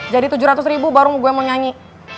jadi tujuh ratus ribu baru gue mau nyanyi